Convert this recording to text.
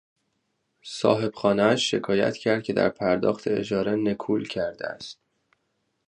صاحب خانهاش شکایت کرد که در پرداخت اجاره نکول کرده است.